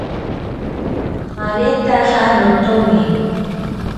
Aretaja notomi.